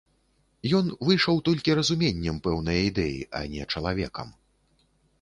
Ён выйшаў толькі разуменнем пэўнае ідэі, а не чалавекам.